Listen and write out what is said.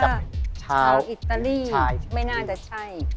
ชาวอิตาลีไม่น่าจะใช่